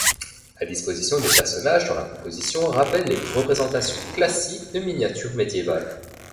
La disposition des personnages dans la composition rappelle les représentations classiques de miniatures médiévales.